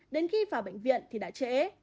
đến khi vào bệnh viện thì đã trễ